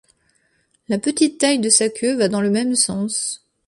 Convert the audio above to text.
La petite taille de sa queue va dans le même sens.